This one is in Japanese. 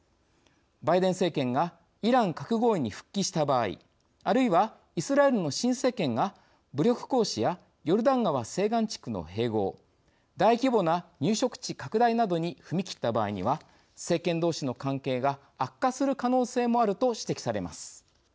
バイデン政権がイラン核合意に復帰した場合あるいはイスラエルの新政権が武力行使やヨルダン川西岸地区の併合大規模な入植地拡大などに踏み切った場合には政権どうしの関係が悪化する可能性もあると指摘されます。